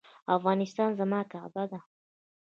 افغانستان زما کعبه ده؟